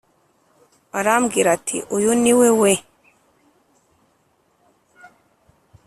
Arambwira ati uyu ni we we